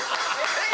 えっ？